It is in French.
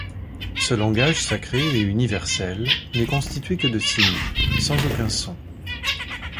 Ce langage sacré et universel n'est constitué que de signes, sans aucun son.